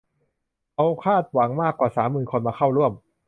เราคาดหวังมากกว่าสามหมื่นคนมาเข้าร่วม